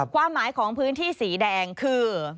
ความหมายของพื้นที่สีแดงคือ